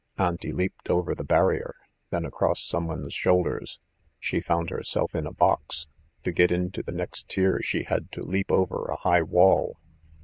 Auntie leaped over the barrier, then across someone's shoulders. She found herself in a box: to get into the next tier she had to leap over a high wall.